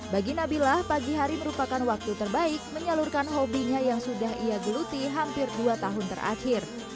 bagi nabilah pagi hari merupakan waktu terbaik menyalurkan hobinya yang sudah ia geluti hampir dua tahun terakhir